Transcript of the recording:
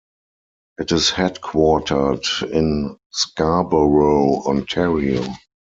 It is headquartered in Scarborough, Ontario.